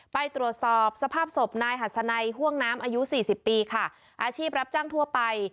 ไปตรวจสอบสภาพศพนายหัสนัยห่วงน้ำอายุสี่สิบปีค่ะอาชีพรับจ้างทั่วไป